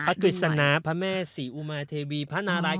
กฤษณาพระแม่ศรีอุมาเทวีพระนาราย